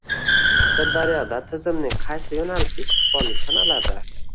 Sirdaryoda turizmning qaysi yo‘nalishi istiqbolli sanaladi?